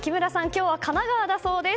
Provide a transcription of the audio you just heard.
今日は神奈川だそうです。